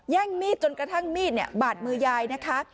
่งมีดจนกระทั่งมีดบาดมือยายนะคะ